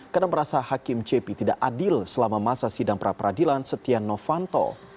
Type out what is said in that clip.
karena merasa hakim cepi tidak adil selama masa sidang pra peradilan setia novanto